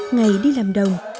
ngày đi làm đồng